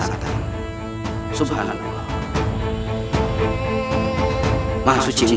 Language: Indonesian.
ayo kita ke pantai bokan